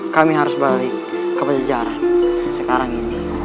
kami harus balik ke peziarah sekarang ini